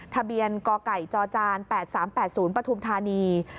ทะเบียนกไก่จจ๘๓๘๐ปฐุมธานี